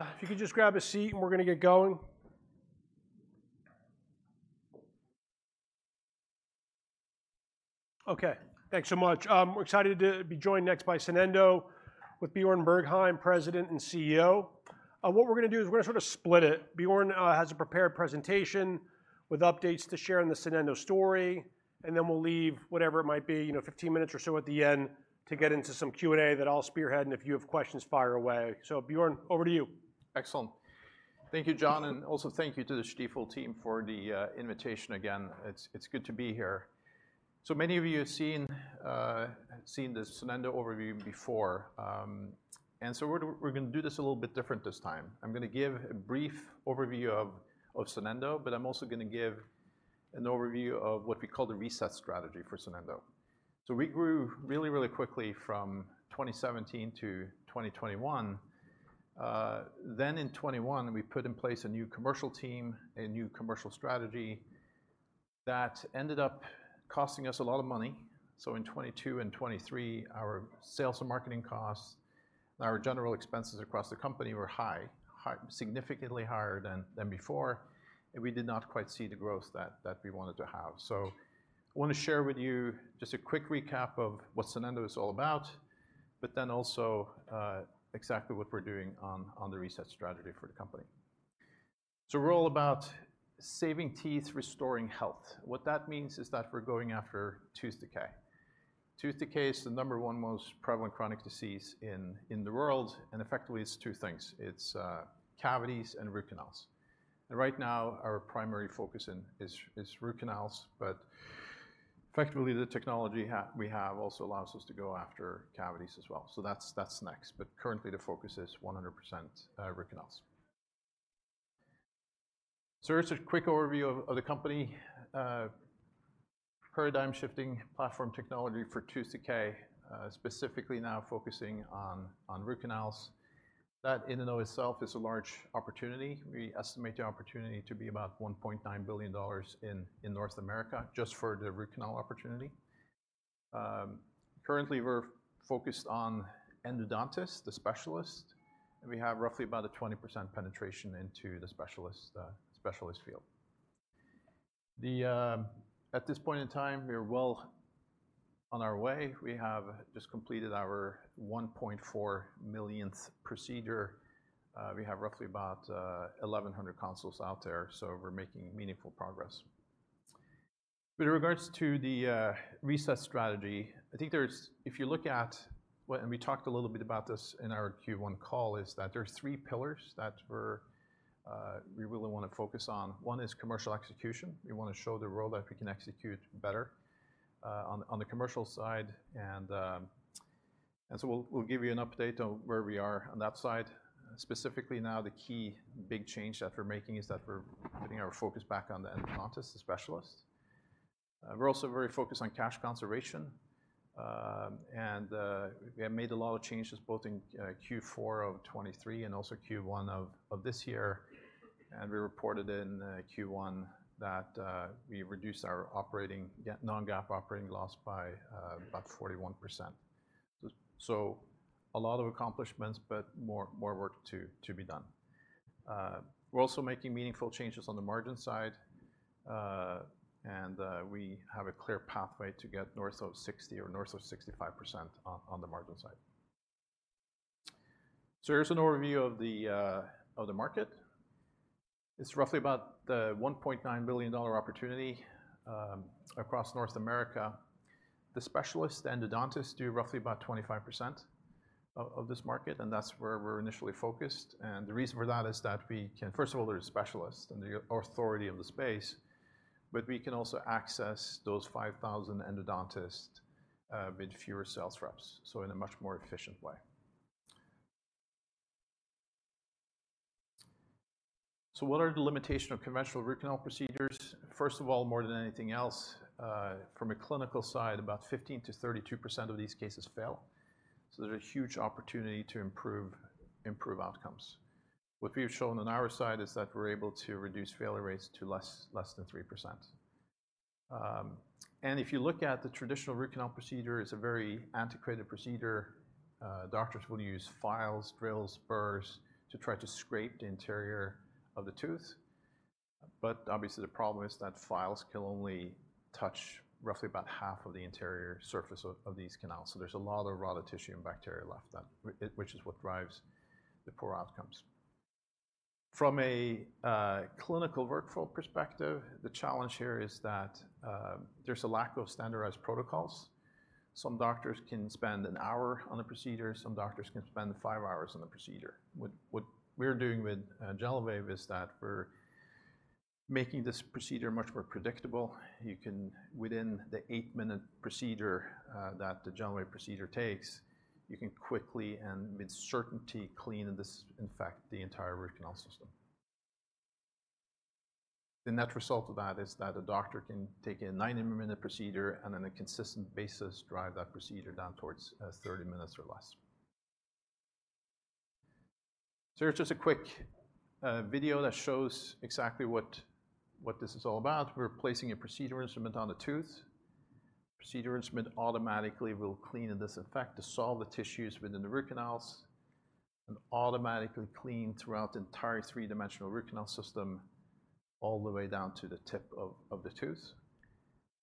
...If you could just grab a seat, and we're gonna get going. Okay, thanks so much. We're excited to be joined next by Sonendo, with Bjarne Bergheim, President and CEO. What we're gonna do is we're gonna sort of split it. Bjarne has a prepared presentation with updates to share on the Sonendo story, and then we'll leave, whatever it might be, you know, 15 minutes or so at the end to get into some Q&A that I'll spearhead, and if you have questions, fire away. So Bjarne, over to you. Excellent. Thank you, Jon, and also thank you to the Stifel team for the invitation again. It's, it's good to be here. So many of you have seen the Sonendo overview before. And so we're, we're gonna do this a little bit different this time. I'm gonna give a brief overview of Sonendo, but I'm also gonna give an overview of what we call the reset strategy for Sonendo. So we grew really, really quickly from 2017 to 2021. Then in 2021, we put in place a new commercial team, a new commercial strategy that ended up costing us a lot of money. So in 2022 and 2023, our sales and marketing costs, our general expenses across the company were high, significantly higher than before, and we did not quite see the growth that we wanted to have. So I wanna share with you just a quick recap of what Sonendo is all about, but then also exactly what we're doing on the reset strategy for the company. So we're all about saving teeth, restoring health. What that means is that we're going after tooth decay. Tooth decay is the number one most prevalent chronic disease in the world, and effectively, it's two things. It's cavities and root canals. And right now, our primary focus is root canals, but effectively, the technology we have also allows us to go after cavities as well. So that's, that's next, but currently, the focus is 100%, root canals. So here's a quick overview of, of the company. Paradigm-shifting platform technology for tooth decay, specifically now focusing on, on root canals. That in and of itself is a large opportunity. We estimate the opportunity to be about $1.9 billion in, in North America, just for the root canal opportunity. Currently we're focused on endodontist, the specialist, and we have roughly about a 20% penetration into the specialist, specialist field. The, at this point in time, we're well on our way. We have just completed our 1.4 millionth procedure. We have roughly about, eleven hundred consoles out there, so we're making meaningful progress. With regards to the reset strategy, I think there's if you look at what and we talked a little bit about this in our Q1 call, is that there are three pillars that we're we really wanna focus on. One is commercial execution. We wanna show the world that we can execute better on on the commercial side, and and so we'll we'll give you an update on where we are on that side. Specifically now, the key big change that we're making is that we're putting our focus back on the endodontist, the specialist. We're also very focused on cash conservation. And we have made a lot of changes, both in Q4 of 2023 and also Q1 of this year. We reported in Q1 that we reduced our operating non-GAAP operating loss by about 41%. So a lot of accomplishments, but more work to be done. We're also making meaningful changes on the margin side, and we have a clear pathway to get north of 60% or north of 65% on the margin side. So here's an overview of the market. It's roughly about the $1.9 billion opportunity across North America. The specialists, endodontists, do roughly about 25% of this market, and that's where we're initially focused. The reason for that is that we can, first of all, they're specialists and the authority of the space, but we can also access those 5,000 endodontists with fewer sales reps, so in a much more efficient way. So what are the limitations of conventional root canal procedures? First of all, more than anything else, from a clinical side, about 15%-32% of these cases fail. So there's a huge opportunity to improve outcomes. What we've shown on our side is that we're able to reduce failure rates to less than 3%. And if you look at the traditional root canal procedure, it's a very antiquated procedure. Doctors will use files, drills, burs, to try to scrape the interior of the tooth. But obviously, the problem is that files can only touch roughly about half of the interior surface of these canals. So there's a lot of rotted tissue and bacteria left, which is what drives the poor outcomes. From a clinical workflow perspective, the challenge here is that there's a lack of standardized protocols. Some doctors can spend an hour on a procedure; some doctors can spend five hours on a procedure. What, what we're doing with GentleWave is that we're making this procedure much more predictable. You can, within the eight-minute procedure, that the GentleWave procedure takes, you can quickly and with certainty clean this, in fact, the entire root canal system. The net result of that is that a doctor can take a 90-minute procedure, and on a consistent basis, drive that procedure down towards 30 minutes or less. So here's just a quick video that shows exactly what, what this is all about. We're placing a procedure instrument on the tooth. The procedure instrument automatically will clean and disinfect, dissolve the tissues within the root canals, and automatically clean throughout the entire three-dimensional root canal system, all the way down to the tip of the tooth.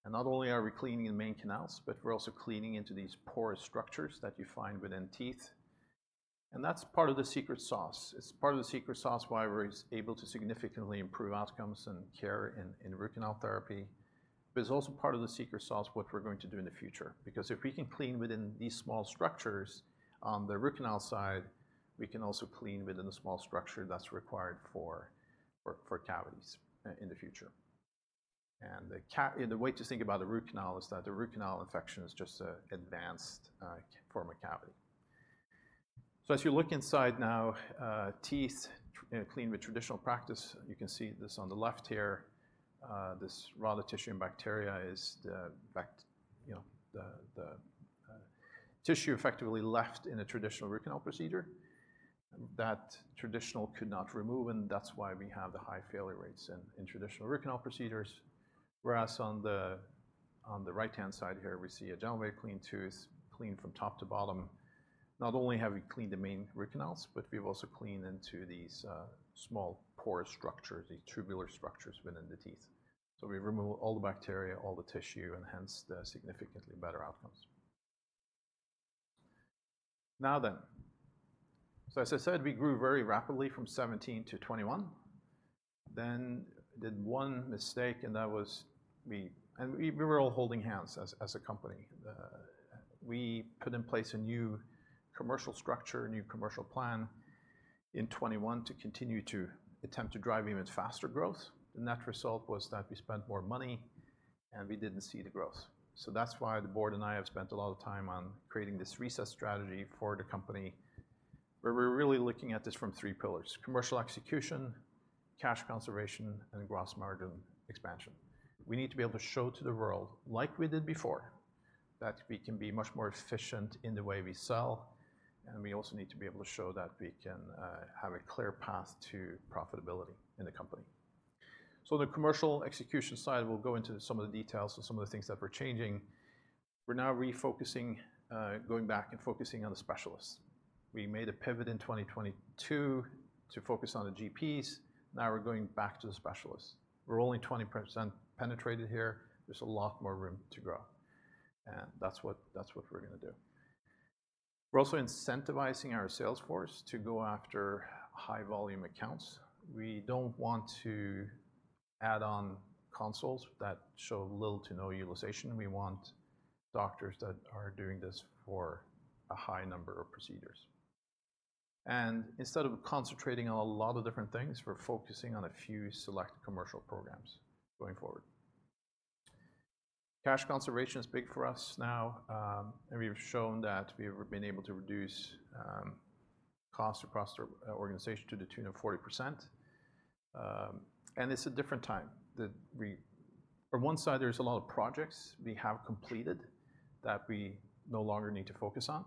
And not only are we cleaning the main canals, but we're also cleaning into these porous structures that you find within teeth. And that's part of the secret sauce. It's part of the secret sauce why we're able to significantly improve outcomes and care in root canal therapy. But it's also part of the secret sauce, what we're going to do in the future, because if we can clean within these small structures on the root canal side, we can also clean within the small structure that's required for cavities in the future. And the way to think about the root canal is that the root canal infection is just an advanced form of cavity. So as you look inside now, teeth cleaned with traditional practice, you can see this on the left here. This rotten tissue and bacteria is you know, the tissue effectively left in a traditional root canal procedure, that traditional could not remove, and that's why we have the high failure rates in, in traditional root canal procedures. Whereas on the, on the right-hand side here, we see a GentleWave clean tooth, cleaned from top to bottom. Not only have we cleaned the main root canals, but we've also cleaned into these, small pore structures, the tubular structures within the teeth. So we remove all the bacteria, all the tissue, and hence, the significantly better outcomes. Now then, so as I said, we grew very rapidly from 2017 to 2021, then did one mistake, and that was and we, we were all holding hands as, as a company. We put in place a new commercial structure, a new commercial plan in 2021, to continue to attempt to drive even faster growth. The net result was that we spent more money, and we didn't see the growth. So that's why the board and I have spent a lot of time on creating this reset strategy for the company, where we're really looking at this from three pillars: commercial execution, cash conservation, and gross margin expansion. We need to be able to show to the world, like we did before, that we can be much more efficient in the way we sell, and we also need to be able to show that we can have a clear path to profitability in the company. So the commercial execution side, we'll go into some of the details of some of the things that we're changing. We're now refocusing, going back and focusing on the specialists. We made a pivot in 2022 to focus on the GPs, now we're going back to the specialists. We're only 20% penetrated here. There's a lot more room to grow, and that's what, that's what we're gonna do. We're also incentivizing our sales force to go after high-volume accounts. We don't want to add on consoles that show little to no utilization. We want doctors that are doing this for a high number of procedures. Instead of concentrating on a lot of different things, we're focusing on a few select commercial programs going forward. Cash conservation is big for us now, and we've shown that we've been able to reduce costs across the organization to the tune of 40%. And it's a different time, on one side, there's a lot of projects we have completed that we no longer need to focus on,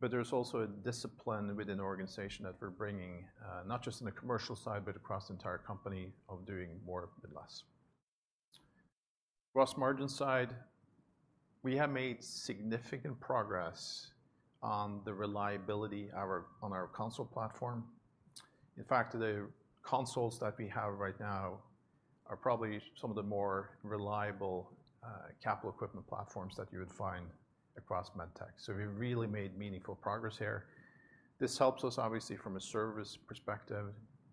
but there's also a discipline within the organization that we're bringing, not just on the commercial side, but across the entire company, of doing more with less. Gross margin side, we have made significant progress on the reliability of our console platform. In fact, the consoles that we have right now are probably some of the more reliable, capital equipment platforms that you would find across med tech. So we've really made meaningful progress here. This helps us, obviously, from a service perspective,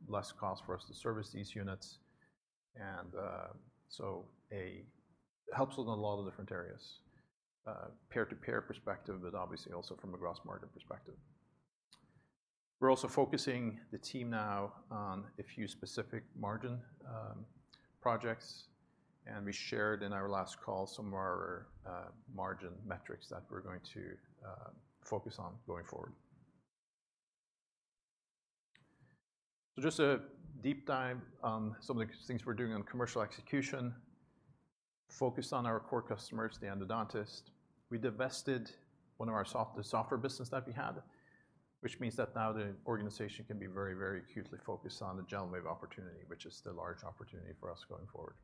less cost for us to service these units, and it helps us in a lot of different areas, peer-to-peer perspective, but obviously also from a gross margin perspective. We're also focusing the team now on a few specific margin projects, and we shared in our last call some of our margin metrics that we're going to focus on going forward. So just a deep dive on some of the things we're doing on commercial execution. Focused on our core customers, the endodontist. We divested one of our the software business that we had, which means that now the organization can be very, very acutely focused on the GentleWave opportunity, which is the large opportunity for us going forward.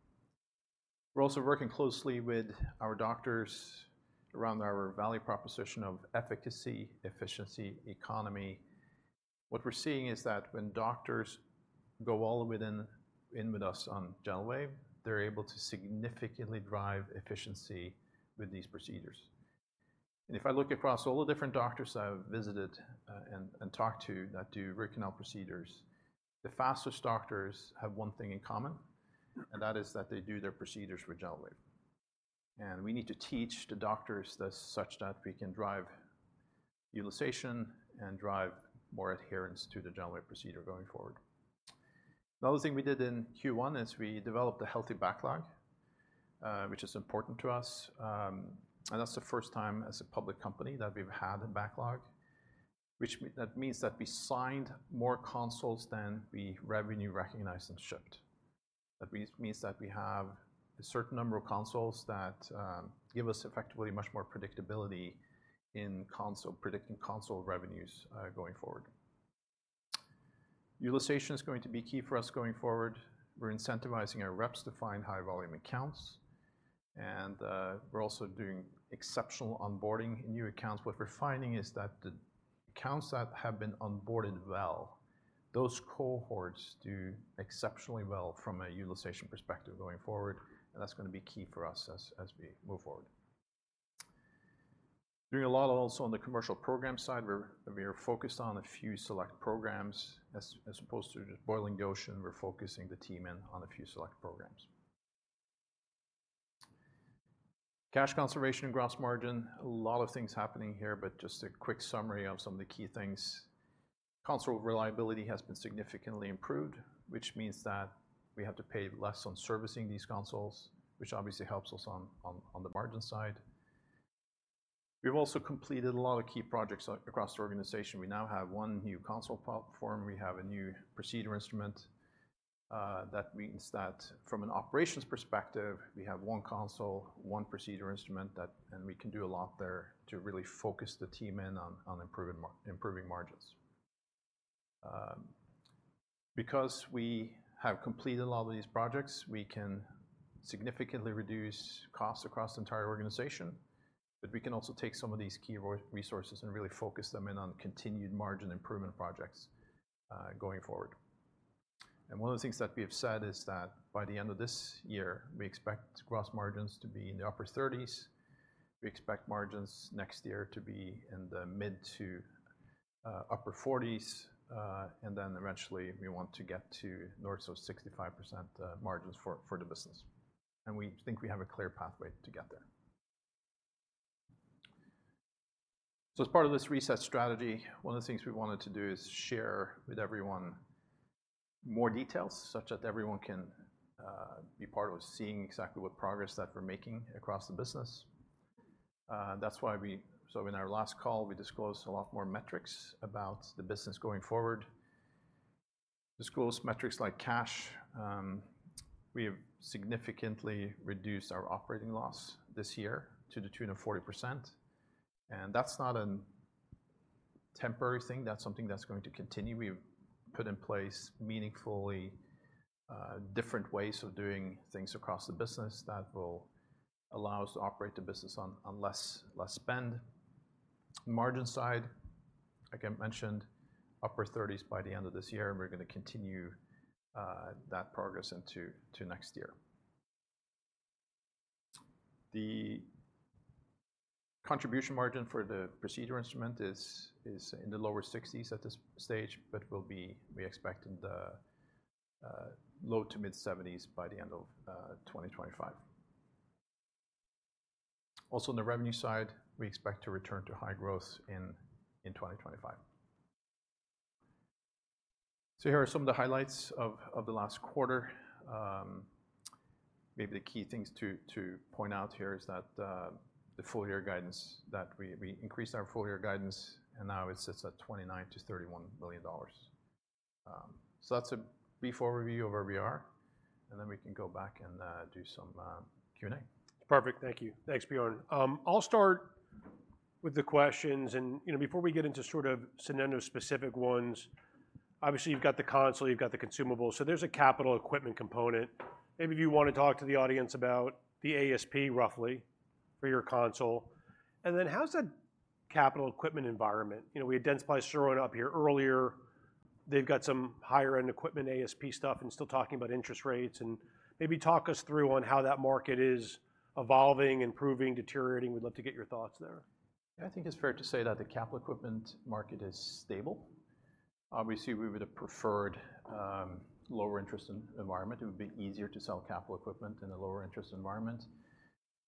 We're also working closely with our doctors around our value proposition of efficacy, efficiency, economy. What we're seeing is that when doctors go all the way in with us on GentleWave, they're able to significantly drive efficiency with these procedures. And if I look across all the different doctors I've visited, and talked to, that do root canal procedures, the fastest doctors have one thing in common, and that is that they do their procedures with GentleWave. And we need to teach the doctors this, such that we can drive utilization and drive more adherence to the GentleWave procedure going forward. Another thing we did in Q1 is we developed a healthy backlog, which is important to us. And that's the first time as a public company that we've had a backlog, which means that we signed more consoles than we revenue recognized and shipped. That means that we have a certain number of consoles that give us effectively much more predictability in predicting console revenues going forward. Utilization is going to be key for us going forward. We're incentivizing our reps to find high-volume accounts, and we're also doing exceptional onboarding in new accounts. What we're finding is that the accounts that have been onboarded well, those cohorts do exceptionally well from a utilization perspective going forward, and that's gonna be key for us as we move forward. Doing a lot also on the commercial program side, where we are focused on a few select programs. As opposed to just boiling the ocean, we're focusing the team in on a few select programs. Cash conservation and gross margin, a lot of things happening here, but just a quick summary of some of the key things. Console reliability has been significantly improved, which means that we have to pay less on servicing these consoles, which obviously helps us on the margin side. We've also completed a lot of key projects across the organization. We now have one new console platform. We have a new procedure instrument. That means that from an operations perspective, we have one console, one procedure instrument, and we can do a lot there to really focus the team in on improving margins. Because we have completed a lot of these projects, we can significantly reduce costs across the entire organization, but we can also take some of these key resources and really focus them in on continued margin improvement projects, going forward. And one of the things that we have said is that, by the end of this year, we expect gross margins to be in the upper 30s%. We expect margins next year to be in the mid- to upper-40s%, and then eventually, we want to get to north of 65%, margins for the business, and we think we have a clear pathway to get there. So as part of this reset strategy, one of the things we wanted to do is share with everyone more details, such that everyone can be part of seeing exactly what progress that we're making across the business. So in our last call, we disclosed a lot more metrics about the business going forward. Disclosed metrics like cash, we have significantly reduced our operating loss this year to the tune of 40%, and that's not a temporary thing, that's something that's going to continue. We've put in place meaningfully different ways of doing things across the business that will allow us to operate the business on less spend. Margin side, like I mentioned, upper 30s by the end of this year, and we're gonna continue that progress into next year. The contribution margin for the procedure instrument is in the lower 60s at this stage, but will be, we expect, in the low- to mid-70s by the end of 2025. Also, on the revenue side, we expect to return to high growth in 2025. So here are some of the highlights of the last quarter. Maybe the key things to point out here is that the full year guidance that we increased our full year guidance, and now it sits at $29 billion-$31 billion. So that's a brief overview of where we are, and then we can go back and do some Q&A. Perfect. Thank you. Thanks, Bjarne. I'll start with the questions, and, you know, before we get into sort of Sonendo-specific ones, obviously you've got the console, you've got the consumables, so there's a capital equipment component. Maybe if you want to talk to the audience about the ASP, roughly, for your console. And then, how's that capital equipment environment? You know, we had Dentsply Sirona up here earlier. They've got some higher end equipment, ASP stuff, and still talking about interest rates, and maybe talk us through on how that market is evolving, improving, deteriorating. We'd love to get your thoughts there. I think it's fair to say that the capital equipment market is stable. Obviously, we would have preferred a lower interest environment. It would be easier to sell capital equipment in a lower interest environment.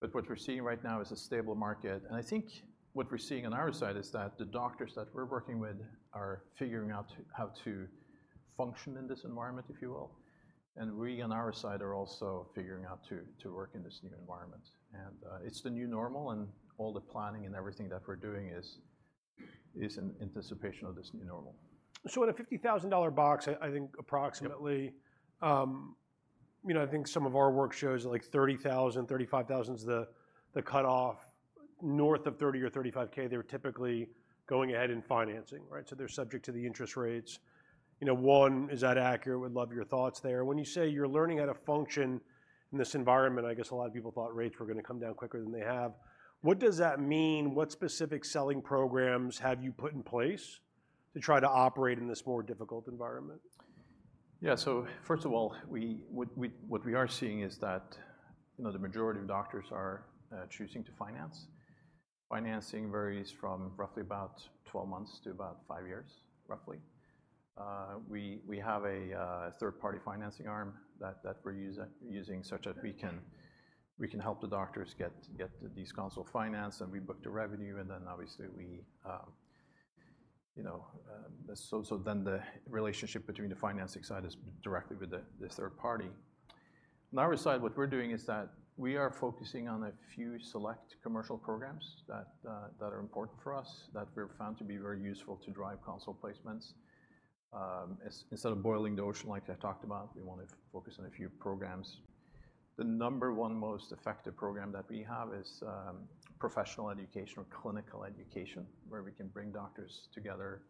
But what we're seeing right now is a stable market, and I think what we're seeing on our side is that the doctors that we're working with are figuring out how to function in this environment, if you will. And we, on our side, are also figuring out how to work in this new environment. It's the new normal, and all the planning and everything that we're doing is in anticipation of this new normal. At a $50,000 box, I, I think approximately- Yep ... you know, I think some of our work shows that, like, $30,000, $35,000 is the cutoff. North of $30,000 or $35K, they're typically going ahead and financing, right? So they're subject to the interest rates. You know, one, is that accurate? Would love your thoughts there. When you say you're learning how to function in this environment, I guess a lot of people thought rates were gonna come down quicker than they have. What does that mean? What specific selling programs have you put in place to try to operate in this more difficult environment? Yeah, so first of all, what we are seeing is that, you know, the majority of doctors are choosing to finance. Financing varies from roughly about 12 months to about five years, roughly. We have a third-party financing arm that we're using, such that we can help the doctors get these console financed, and we book the revenue, and then obviously we, you know... So then the relationship between the financing side is directly with the third party. On our side, what we're doing is that we are focusing on a few select commercial programs that are important for us, that we found to be very useful to drive console placements. Instead of boiling the ocean, like I talked about, we want to focus on a few programs. The number one most effective program that we have is professional education or clinical education, where we can bring doctors together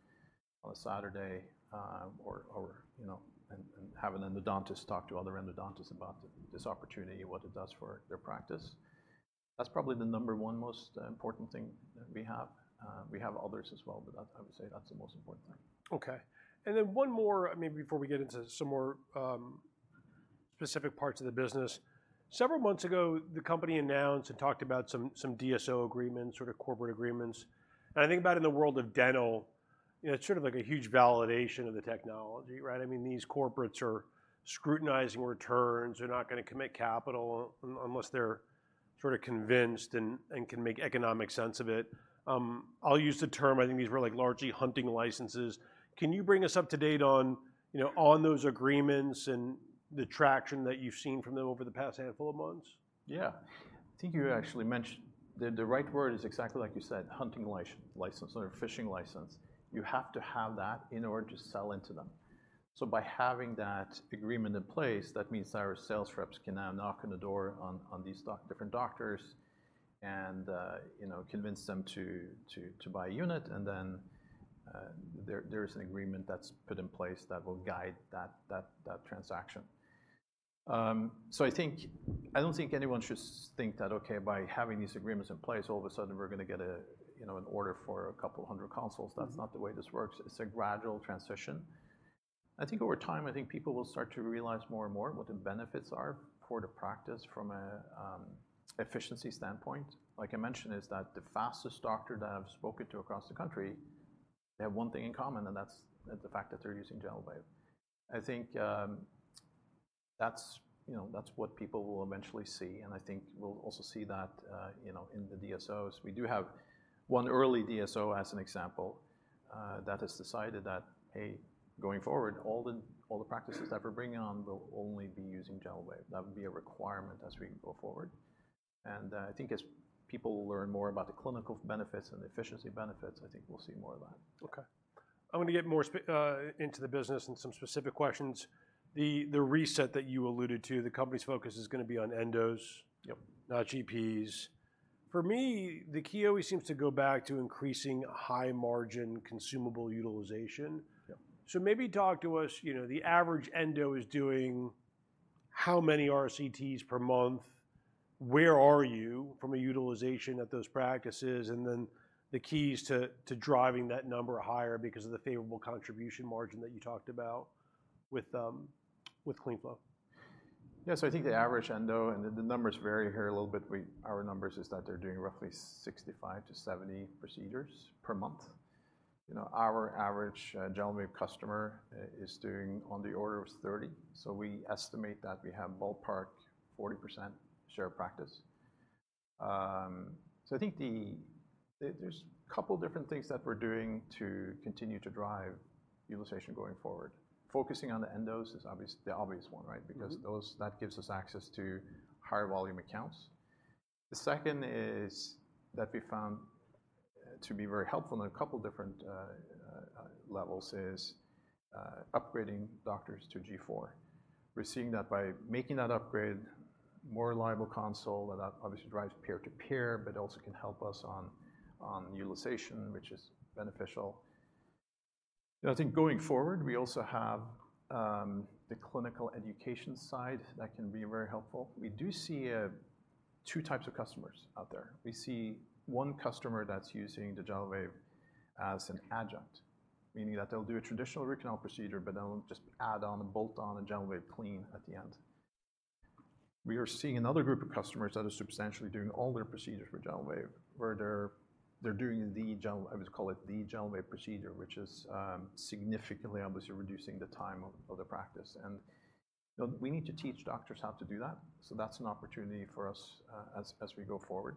on a Saturday, or you know, and have an endodontist talk to other endodontists about this opportunity and what it does for their practice. That's probably the number one most important thing that we have. We have others as well, but that, I would say that's the most important thing. Okay. And then one more, I mean, before we get into some more, specific parts of the business. Several months ago, the company announced and talked about some DSO agreements, sort of corporate agreements. And I think about in the world of dental, you know, it's sort of like a huge validation of the technology, right? I mean, these corporates are scrutinizing returns. They're not gonna commit capital unless they're sort of convinced and can make economic sense of it. I'll use the term, I think these were like largely hunting licenses. Can you bring us up to date on, you know, on those agreements and the traction that you've seen from them over the past handful of months? Yeah. I think you actually mentioned... The right word is exactly like you said, hunting license or a fishing license. You have to have that in order to sell into them. So by having that agreement in place, that means our sales reps can now knock on the door on these different doctors and, you know, convince them to buy a unit, and then, there, there's an agreement that's put in place that will guide that transaction. So I don't think anyone should think that, okay, by having these agreements in place, all of a sudden, we're gonna get a, you know, an order for a couple hundred consoles. That's not the way this works. It's a gradual transition. I think over time, I think people will start to realize more and more what the benefits are for the practice from a efficiency standpoint. Like I mentioned, the fastest doctor that I've spoken to across the country, they have one thing in common, and that's the fact that they're using GentleWave. I think, that's, you know, that's what people will eventually see, and I think we'll also see that, you know, in the DSOs. We do have one early DSO as an example, that has decided that, hey, going forward, all the, all the practices that we're bringing on will only be using GentleWave. That would be a requirement as we go forward. I think as people learn more about the clinical benefits and the efficiency benefits, I think we'll see more of that. Okay. I want to get more into the business and some specific questions. The reset that you alluded to, the company's focus is gonna be on endos- Yep. not GPs. For me, the key always seems to go back to increasing high-margin consumable utilization. Yeah. So maybe talk to us, you know, the average endo is doing how many RCTs per month? Where are you from a utilization at those practices, and then the keys to driving that number higher because of the favorable contribution margin that you talked about with CleanFlow? Yeah, so I think the average endo, and the numbers vary here a little bit. Our numbers is that they're doing roughly 65-70 procedures per month. You know, our average, GentleWave customer is doing on the order of 30, so we estimate that we have ballpark 40% share of practice. So I think there's a couple different things that we're doing to continue to drive utilization going forward. Focusing on the endos is obvious—the obvious one, right? Mm-hmm. Because those, that gives us access to higher volume accounts. The second is that we found to be very helpful in a couple different levels, is upgrading doctors to G4. We're seeing that by making that upgrade, more reliable console, and that obviously drives peer to peer, but also can help us on utilization, which is beneficial. And I think going forward, we also have the clinical education side that can be very helpful. We do see two types of customers out there. We see one customer that's using the GentleWave as an adjunct, meaning that they'll do a traditional root canal procedure, but they'll just add on, bolt on a GentleWave clean at the end. We are seeing another group of customers that are substantially doing all their procedures with GentleWave, where they're doing the Gentle... I would call it the GentleWave procedure, which is significantly, obviously, reducing the time of the practice. And, you know, we need to teach doctors how to do that, so that's an opportunity for us, as we go forward,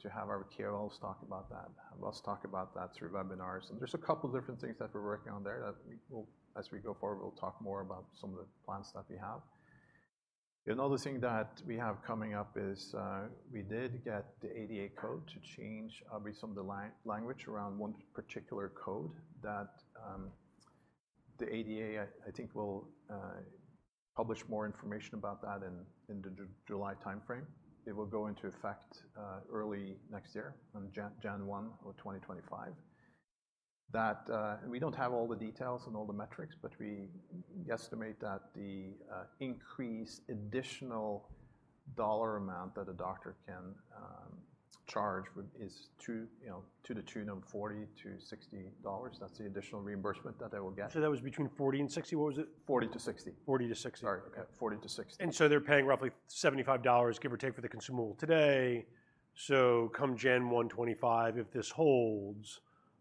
to have our KOLs talk about that, have us talk about that through webinars. And there's a couple different things that we're working on there that we will- as we go forward, we'll talk more about some of the plans that we have. Another thing that we have coming up is we did get the ADA code to change with some of the language around one particular code, that the ADA, I think, will publish more information about that in the July timeframe. It will go into effect early next year, on January 1, 2025. That we don't have all the details and all the metrics, but we estimate that the increased additional dollar amount that a doctor can charge with is two, you know, to the tune of $40-$60. That's the additional reimbursement that they will get. That was between $40 and $60, what was it? $40-$60. $40-$60. Sorry. Yeah, $40-$60. So they're paying roughly $75, give or take, for the consumable today. Come January 1, 2025, if this holds,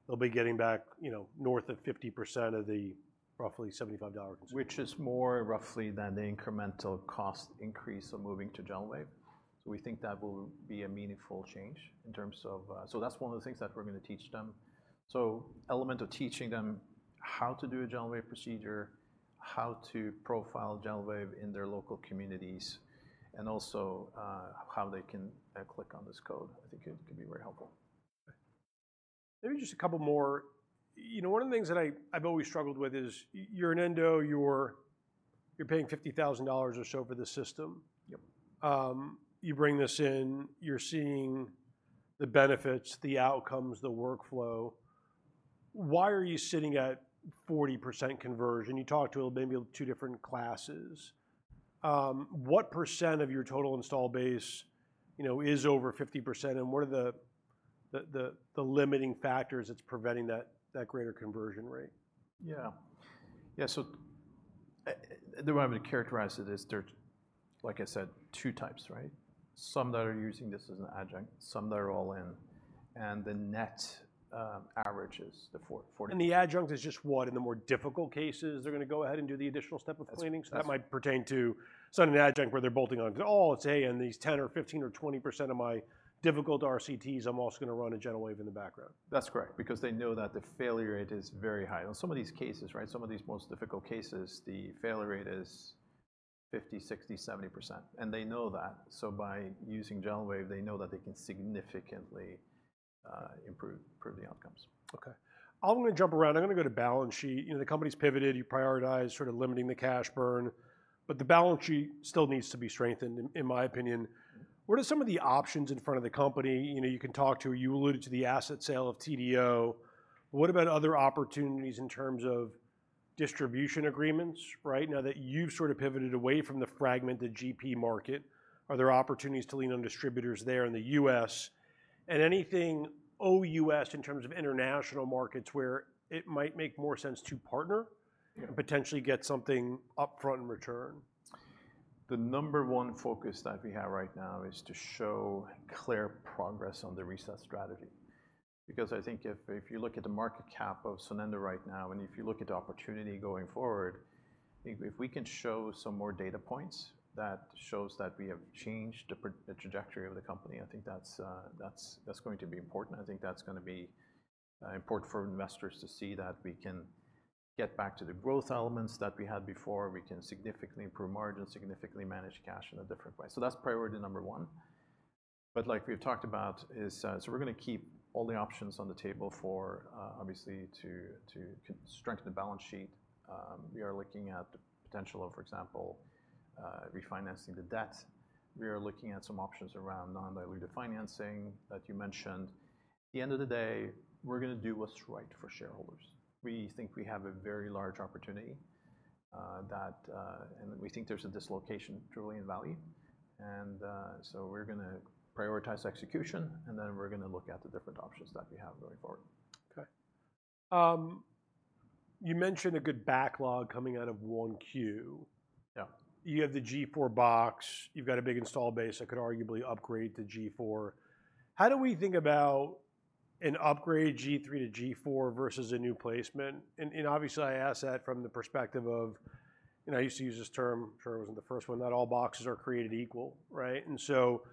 they'll be getting back, you know, north of 50% of the roughly $75 consumable. Which is more roughly than the incremental cost increase of moving to GentleWave. So we think that will be a meaningful change in terms of. So that's one of the things that we're gonna teach them. So element of teaching them how to do a GentleWave procedure, how to profile GentleWave in their local communities, and also, how they can click on this code. I think it could be very helpful. ... Maybe just a couple more. You know, one of the things that I, I've always struggled with is, you're an endo, you're paying $50,000 or so for the system. Yep. You bring this in, you're seeing the benefits, the outcomes, the workflow. Why are you sitting at 40% conversion? You talked to maybe two different classes. What percent of your total install base, you know, is over 50%, and what are the limiting factors that's preventing that greater conversion rate? Yeah. Yeah, so, the way I'm going to characterize it is there's, like I said, two types, right? Some that are using this as an adjunct, some that are all in, and the net, average is the $440. The adjunct is just what, in the more difficult cases, they're gonna go ahead and do the additional step of cleaning? That's- So that might pertain to suddenly the adjunct where they're bolting on, 'cause, oh, it's A, and these 10% or 15% or 20% of my difficult RCTs, I'm also gonna run a GentleWave in the background. That's correct, because they know that the failure rate is very high. In some of these cases, right, some of these most difficult cases, the failure rate is 50%, 60%, 70%, and they know that. So by using GentleWave, they know that they can significantly improve the outcomes. Okay. I'm gonna jump around. I'm gonna go to balance sheet. You know, the company's pivoted, you prioritize sort of limiting the cash burn, but the balance sheet still needs to be strengthened, in my opinion. What are some of the options in front of the company? You know, you can talk to-- you alluded to the asset sale of TDO. What about other opportunities in terms of distribution agreements, right? Now that you've sort of pivoted away from the fragmented GP market, are there opportunities to lean on distributors there in the U.S.? And anything OUS in terms of international markets where it might make more sense to partner- Yeah... potentially get something upfront in return? The number one focus that we have right now is to show clear progress on the reset strategy. Because I think if you look at the market cap of Sonendo right now, and if you look at the opportunity going forward, if we can show some more data points that shows that we have changed the trajectory of the company, I think that's going to be important. I think that's gonna be important for investors to see that we can get back to the growth elements that we had before. We can significantly improve margin, significantly manage cash in a different way. So that's priority number one. But like we've talked about, so we're gonna keep all the options on the table for obviously to strengthen the balance sheet. We are looking at the potential of, for example, refinancing the debt. We are looking at some options around non-dilutive financing that you mentioned. At the end of the day, we're gonna do what's right for shareholders. We think we have a very large opportunity, that, and we think there's a dislocation, drilling in value. So we're gonna prioritize execution, and then we're gonna look at the different options that we have going forward. Okay. You mentioned a good backlog coming out of Q1. Yeah. You have the G4 box, you've got a big install base that could arguably upgrade to G4. How do we think about an upgrade G3 to G4 versus a new placement? And obviously, I ask that from the perspective of, you know, I used to use this term, I'm sure it wasn't the first one, not all boxes are created equal, right? And so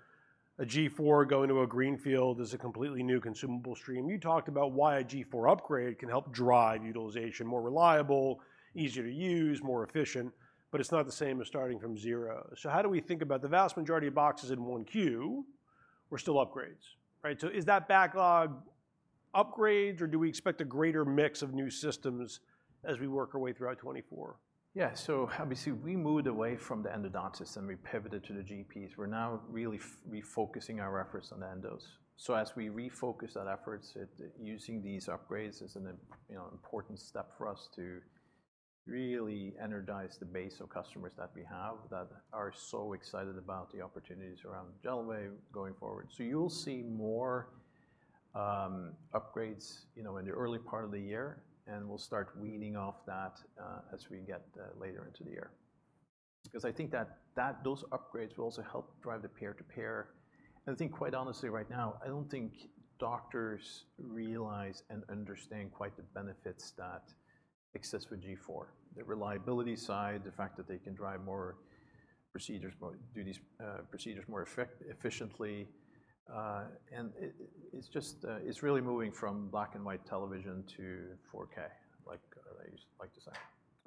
a G4 going to a greenfield is a completely new consumable stream. You talked about why a G4 upgrade can help drive utilization, more reliable, easier to use, more efficient, but it's not the same as starting from zero. So how do we think about the vast majority of boxes in one queue were still upgrades, right? So is that backlog upgrades, or do we expect a greater mix of new systems as we work our way throughout 2024? Yeah. So obviously, we moved away from the endodontists, and we pivoted to the GPs. We're now really refocusing our efforts on the endos. So as we refocus that efforts at using these upgrades is an, you know, important step for us to really energize the base of customers that we have, that are so excited about the opportunities around GentleWave going forward. So you'll see more upgrades, you know, in the early part of the year, and we'll start weaning off that as we get later into the year. Because I think that those upgrades will also help drive the peer-to-peer. And I think, quite honestly, right now, I don't think doctors realize and understand quite the benefits that exists with G4, the reliability side, the fact that they can drive more procedures, more do these procedures more efficiently. It's just, it's really moving from black and white television to 4K, like I just like to say.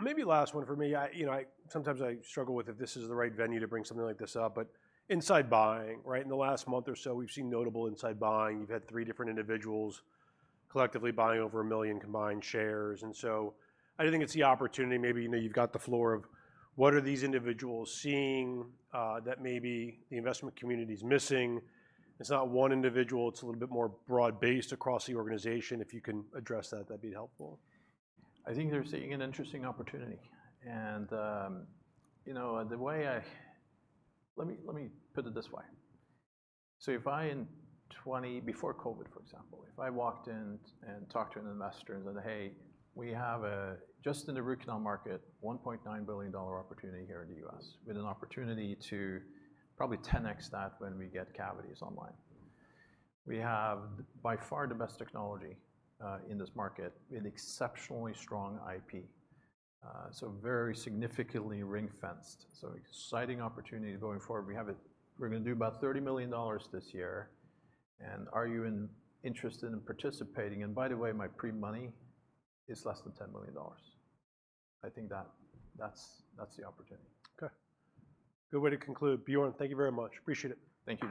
Maybe last one for me. I, you know, sometimes I struggle with if this is the right venue to bring something like this up, but insider buying, right? In the last month or so, we've seen notable insider buying. You've had three different individuals collectively buying over 1 million combined shares, and so I think it's the opportunity. Maybe, you know, you've got the floor of what are these individuals seeing, that maybe the investment community's missing? It's not one individual, it's a little bit more broad-based across the organization. If you can address that, that'd be helpful. I think they're seeing an interesting opportunity, and, you know, Let me, let me put it this way. So if I in 2020, before COVID, for example, if I walked in and talked to an investor and said, "Hey, we have a, just in the root canal market, $1.9 billion opportunity here in the U.S., with an opportunity to probably 10x that when we get cavities online. We have by far the best technology, in this market, with exceptionally strong IP, so very significantly ring-fenced. So exciting opportunity going forward. We're gonna do about $30 million this year, and are you interested in participating? And by the way, my pre-money is less than $10 million." I think that's the opportunity. Okay. Good way to conclude. Bjarne, thank you very much. Appreciate it. Thank you.